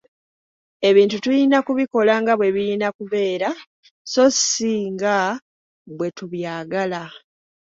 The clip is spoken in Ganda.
Ebintu tuyina kubikola nga bwe biyina kubeera si nga bwe tubyagala.